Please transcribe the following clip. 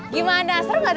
gimana seru gak tadi